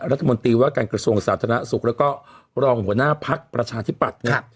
รัฐมนตรีว่ากันกระทรวงสาธารณสุขแล้วก็รองหัวหน้าภักร์ประชาธิบัตร